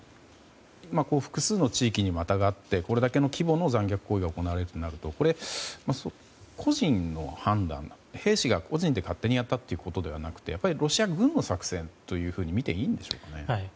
複数の地域にまたがってこれだけの規模の残虐行為が行われているとなると個人の判断、兵士が個人で勝手にやったということではなくてロシア軍の作戦とみていいんでしょうか。